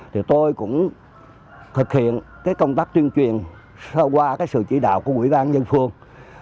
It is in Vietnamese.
thì tôi cũng thực hiện cái công tác tuyên truyền qua cái sự chỉ đạo của quỹ ban nhân phường